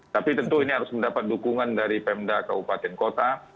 tapi tentu ini harus mendapat dukungan dari pemda kabupaten kota